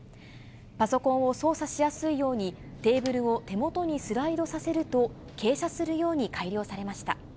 パソコンを操作しやすいように、テーブルを手元にスライドさせると、傾斜するように改良されました。